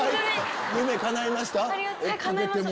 夢かないました？